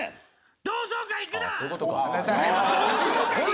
同窓会行くな！